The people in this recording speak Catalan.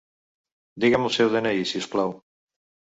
Diguem el seu de-ena-i, si us plau.